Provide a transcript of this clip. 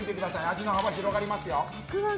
味の幅が広がります。